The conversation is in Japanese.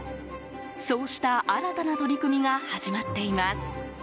そうした新たな取り組みが始まっています。